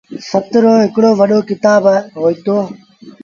سهت روهڪڙو وڏو ڪتآب هوئيٚتو۔